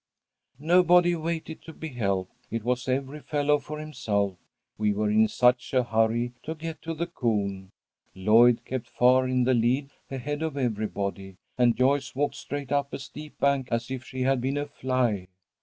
"Nobody waited to be helped. It was every fellow for himself, we were in such a hurry to get to the coon. Lloyd kept far in the lead, ahead of everybody, and Joyce walked straight up a steep bank as if she had been a fly.